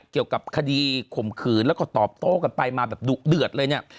เกี่ยวกับคดีข่มขืนแล้วก็ตอบโต้กันไปมาแบบดุเดือดเลยเนี่ย